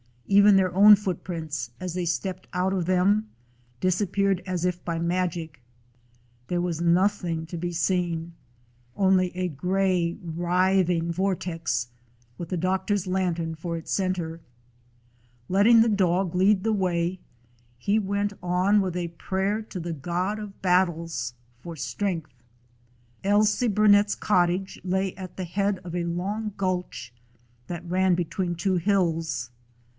Even their own footprints, as they stepped out of them, disappeared as if by magic. There was nothing to be seen, only a gray, writhing vortex, with the doctor's lantern for its center. Letting the dog lead the way, he went on with a prayer to the God of Battles for strength. Ailsie Burnet's cottage lay at the head of a long gulch that ran between two hills.